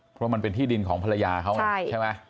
เพราะมันเป็นที่ดินของภรรยาเขาไงใช่ไหม